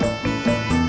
oh lagi pameran ya